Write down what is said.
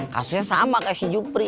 kasunya sama kayak si jupri